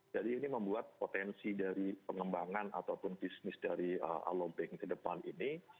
jadi ini membuat potensi dari pengembangan ataupun bisnis dari alubeng ke depan ini